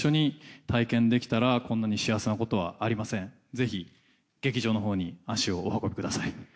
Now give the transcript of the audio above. ぜひ劇場のほうに足をお運びください。